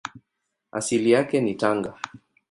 Asili yake ni Tanga.